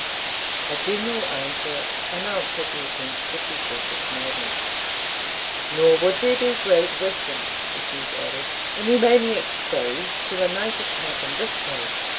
A general answer announced that the attempt would be perfect madness. "Nor would there be great wisdom," the Duke added, "in remaining exposed to a night attack in this place.